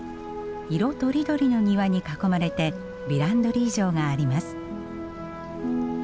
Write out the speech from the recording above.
色とりどりの庭に囲まれてヴィランドリー城があります。